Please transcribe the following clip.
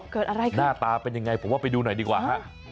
เกิดอะไรขึ้นหน้าตาเป็นยังไงผมว่าไปดูหน่อยดีกว่าฮะ